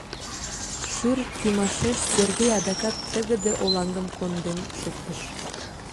Шӱр кӱмашеш Сергей адакат тыгыде олаҥгым конден шуктыш.